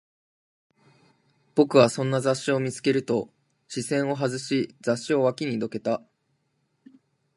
僕はそんな雑誌を見つけると、視線を外し、雑誌を脇にどけた